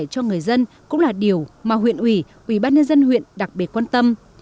cho người dân cũng là điều mà huyện ủy ủy ban nhân dân huyện đặc biệt quan tâm